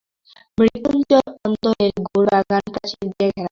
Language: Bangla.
মৃত্যুঞ্জয়ের অন্দরের বাগান প্রাচীর দিয়া ঘেরা ।